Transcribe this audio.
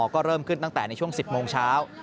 ก็เริ่มขึ้นตั้งแต่ในช่วง๑๐โมงเช้า